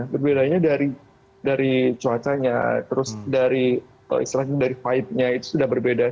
berbedanya dari cuacanya dari pahitnya itu sudah berbeda